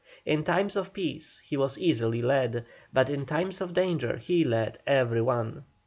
In times of peace he was easily led, but in times of danger he led every one.